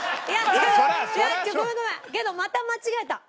けどまた間違えた。